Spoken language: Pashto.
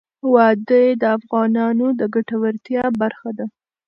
وادي د افغانانو د ګټورتیا برخه ده.